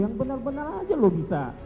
yang benar benar aja loh bisa